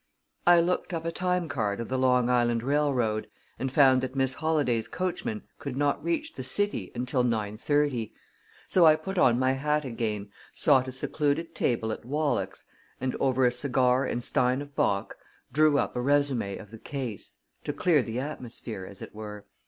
I looked up a time card of the Long Island Railroad, and found that Miss Holladay's coachman could not reach the city until 9.30. So I put on my hat again, sought a secluded table at Wallack's, and over a cigar and stein of bock, drew up a résumé of the case to clear the atmosphere, as it were.